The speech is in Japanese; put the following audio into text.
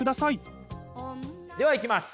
ではいきます。